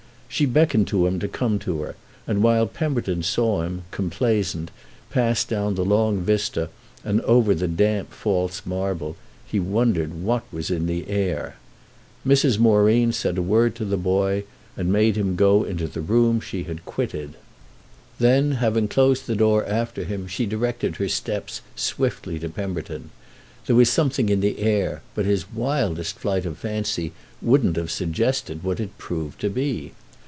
She beckoned him to come to her, and while Pemberton saw him, complaisant, pass down the long vista and over the damp false marble, he wondered what was in the air. Mrs. Moreen said a word to the boy and made him go into the room she had quitted. Then, having closed the door after him, she directed her steps swiftly to Pemberton. There was something in the air, but his wildest flight of fancy wouldn't have suggested what it proved to be.